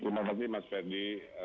terima kasih mas fedy